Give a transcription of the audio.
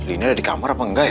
ini ada dikamar apa enggak ya